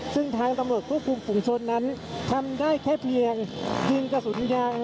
ซึ่งทางตำรวจควบคุมฝุงชนนั้นทำได้แค่เพียงยิงกระสุนยาง